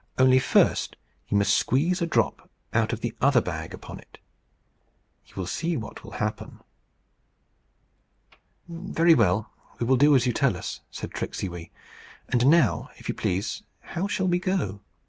Only, first, you must squeeze a drop out of the other bag upon it. You will see what will happen." "Very well; we will do as you tell us," said Tricksey Wee. "And now, if you please, how shall we go?"